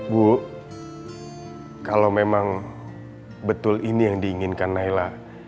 bu kalau memang betul ini yang diinginkan naila